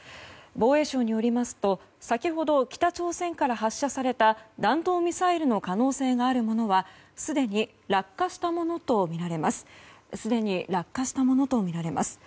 防衛省によりますと先ほど北朝鮮から発射された弾道ミサイルの可能性があるものはすでに落下したものとみられます。